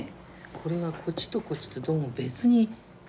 これはこっちとこっちとどうも別に象眼してるね。